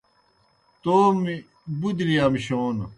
تومی بُدلی امشون